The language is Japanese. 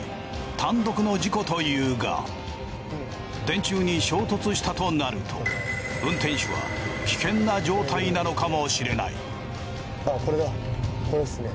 単独の事故というが電柱に衝突したとなると運転手は危険な状態なのかもしれない。